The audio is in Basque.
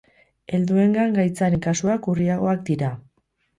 Helduengan gaitzaren kasuak urriagoak dira.